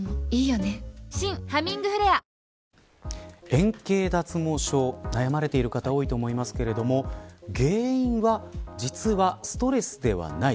円形脱毛症悩まれている方多いと思いますけれども原因は実はストレスではない。